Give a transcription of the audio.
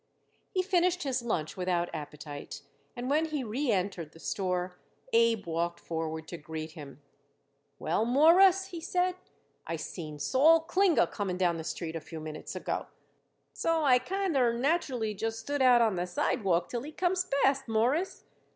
He finished his lunch without appetite, and when he reëntered the store Abe walked forward to greet him. "Well, Mawruss," he said, "I seen Sol Klinger coming down the street a few minutes ago, so I kinder naturally just stood out on the sidewalk till he comes past, Mawruss.